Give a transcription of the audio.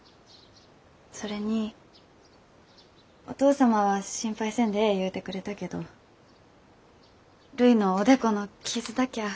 それにお義父様は心配せんでええ言うてくれたけどるいのおでこの傷だきゃあ